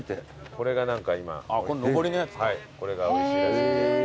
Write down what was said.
これが今おいしいらしい。